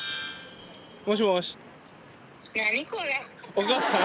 お母さん？